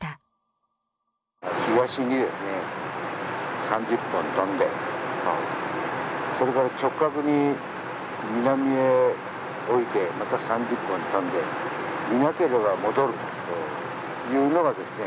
「東にですね３０分飛んでそれから直角に南へ下りてまた３０分飛んでいなければ戻るというのがですね